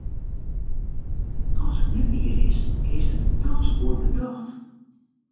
As it net wier is, is it dochs goed betocht.